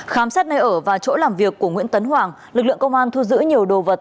khám xét nơi ở và chỗ làm việc của nguyễn tấn hoàng lực lượng công an thu giữ nhiều đồ vật